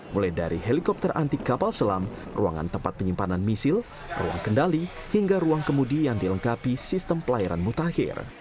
mulai dari helikopter anti kapal selam ruangan tempat penyimpanan misil ruang kendali hingga ruang kemudi yang dilengkapi sistem pelayaran mutakhir